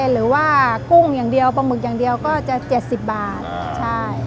หรือว่ากุ้งอย่างเดียวปลาหมึกอย่างเดียวก็จะ๗๐บาทใช่